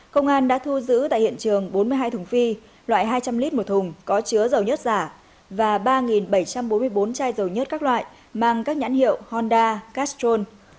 công an đã thu giữ tại hiện trường bốn mươi hai thùng phi loại hai trăm linh lít một thùng có chứa dầu nhất giả và ba bảy trăm bốn mươi bốn chai dầu nhất các loại mang các nhãn hiệu honda castrol